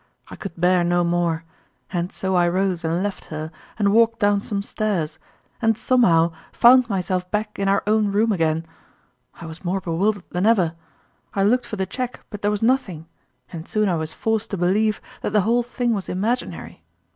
I could bear no more ; and so I rose and left her, and walked down some stairs, and somehow found myself back in our own room again ! I was more bewildered than ever. I looked for the cheque, but there was nothing, and soon I was forced to believe that the whole thing was imaginary.